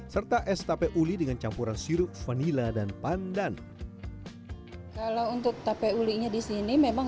serta es tape uli dengan campuran sirup vanila dan pandan kalau untuk tape ulinya di sini memang